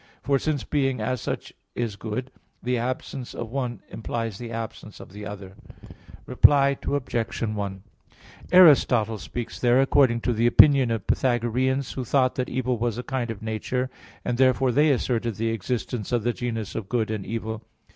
For since being, as such, is good, the absence of one implies the absence of the other. Reply Obj. 1: Aristotle speaks there according to the opinion of Pythagoreans, who thought that evil was a kind of nature; and therefore they asserted the existence of the genus of good and evil.